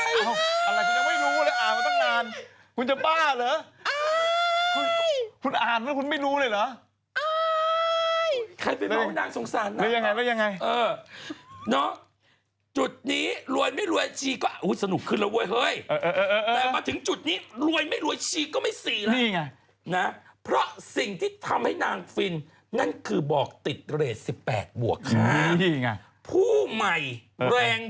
อ้ายคุณอ่านแล้วคุณไม่รู้เลยเหรออ้ายใครไปบอกว่านางสงสารน่ะแล้วยังไงแล้วยังไงเออเนาะจุดนี้รวยไม่รวยชีก็อุ้ยสนุกขึ้นแล้วเว้ยเฮ้ยเออเออเออเออเออแต่มาถึงจุดนี้รวยไม่รวยชีก็ไม่สีแล้วนี่ไงนะเพราะสิ่งที่ทำให้นางฟินนั่นคือบอกติดเรทสิบแปดบวกค่ะนี่ไงผู้ใหม่แรง